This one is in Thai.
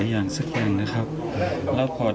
มาเปิดประตูแล้วก็เจอตามาพร้อมกัน